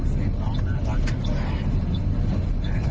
เสียงน้องน่ารักหน่อยเลย